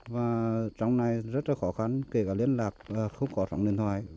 và trong này rất là khó khăn kể cả liên lạc không có trọng điện thoại